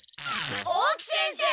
大木先生